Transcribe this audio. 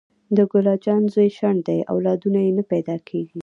د ګل اجان زوی شنډ دې اولادونه یي نه پیداکیږي